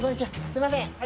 すみません。